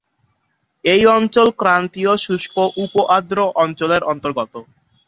এই অঞ্চল ক্রান্তীয় শুষ্ক উপ-আর্দ্র অঞ্চলের অন্তর্গত।